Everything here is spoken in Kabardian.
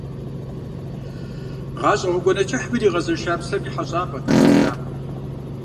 Гъащӏэ гъуэгуанэ кӏыхьым иригъэзэша псэм и хэщӏапӏэт а мэз лъапэр.